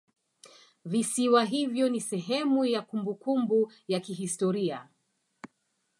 Visiwa hivyo ni sehemu ya kumbukumbu ya kihistoria